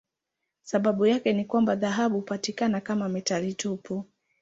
Sababu yake ni kwamba dhahabu hupatikana kama metali tupu.